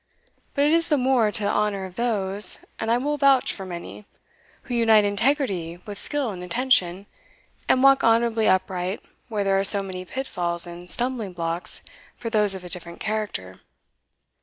But it is the more to the honour of those (and I will vouch for many) who unite integrity with skill and attention, and walk honourably upright where there are so many pitfalls and stumbling blocks for those of a different character.